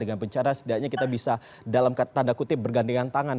dengan bencana setidaknya kita bisa dalam tanda kutip bergandengan tangan